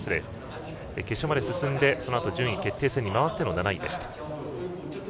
決勝まで進んでそのあと順位決定戦に回っての７位でした。